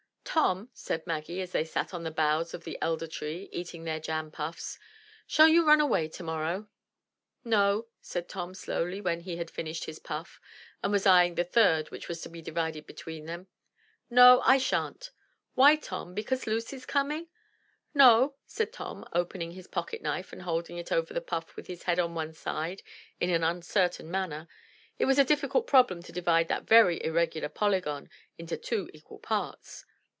'Tom," said Maggie, as they sat on the boughs of the elder tree, eating their jam puffs, shall you run away tomorrow?" '*No," said Tom, slowly, when he had finished his puff, and was eyeing the third which was to be divided between them, — "no, I sha'n't." "Why, Tom? Because Lucy's coming?" "No," said Tom, opening his pocket knife and holding it over the puff with his head on one side in an uncertain manner. (It was a difficult problem to divide that very irregular polygon into two equal parts.)